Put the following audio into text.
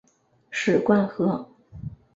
史灌河